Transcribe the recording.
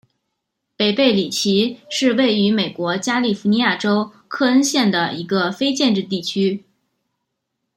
北贝里奇是位于美国加利福尼亚州克恩县的一个非建制地区。